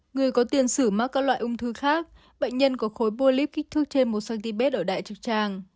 người có tiền sử mắc các loại ung thư khác bệnh nhân có khối bô líp kích thước trên một cm ở đại trực trang